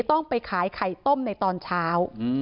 ต้องไปขายไข่ต้มในตอนเช้า